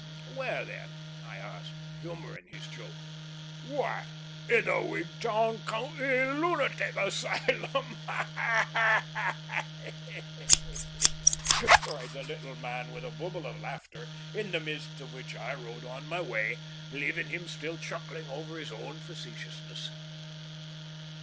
"Where then?" I asked, humouring his joke. "Why, in the Wigtown County Lunatic Asylum," cried the little man, with a bubble of laughter, in the midst of which I rode on my way, leaving him still chuckling over his own facetiousness.